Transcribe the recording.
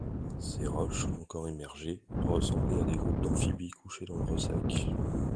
Ces roches, encore émergées, ressemblaient à des groupes d’amphibies couchés dans le ressac.